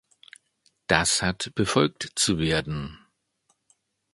Das hat befolgt zu werden!